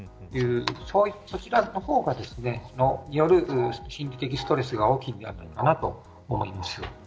そちらの方がより心理的ストレスが大きいのではないかと思います。